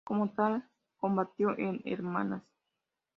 Como tal combatió en Hermanas.